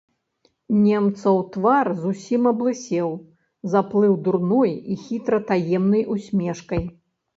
Немцаў твар зусім аблысеў, заплыў дурной і хітра таемнай усмешкай.